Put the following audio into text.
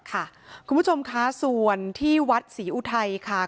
คุณผู้ชมคะส่วนที่วัดศรีอุทัยค่ะ